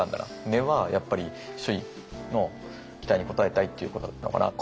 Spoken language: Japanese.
根はやっぱり周囲の期待に応えたいっていうことだったのかなと。